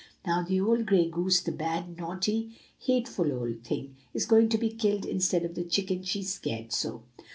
"Now the old gray goose, the bad, naughty, hateful old thing, is going to be killed, instead of the chicken she scared so."